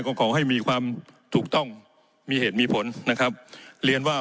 ก็ขอให้มีความถูกต้องมีเหตุมีผลนะครับเรียนว่า